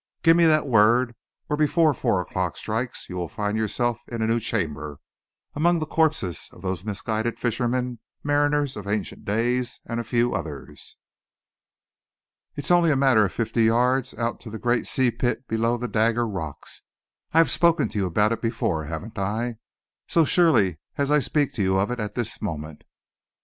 Give me that word, or before four o'clock strikes, you will find yourself in a new chamber, among the corpses of those misguided fishermen, mariners of ancient days, and a few others. It's only a matter of fifty yards out to the great sea pit below the Dagger Rocks I've spoken to you about it before, haven't I? So surely as I speak to you of it at this moment."